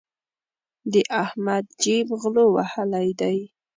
د احمد جېب غلو وهلی دی.